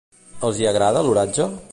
Els hi agrada l'oratge?